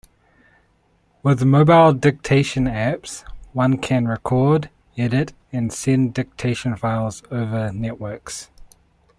With mobile dictation apps, one can record, edit, and send dictation files over networks.